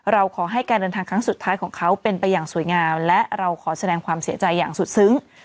เราขอให้การเดินทางครั้งสุดท้ายของเขาเป็นไปอย่างสวยงามและเราขอแสดงความเสียใจอย่างสุดซึ้ง